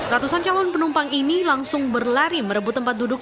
ratusan calon penumpang ini langsung berlari merebut tempat duduk